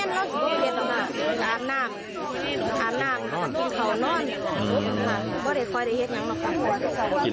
มึงมึงมึงมึงมึงมึงมึงมึงมึงมึงมึงมึงมึง